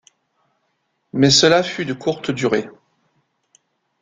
Mais cela fut de courte durée.